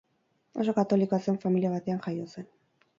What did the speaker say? Oso katolikoa zen familia batean jaio zen.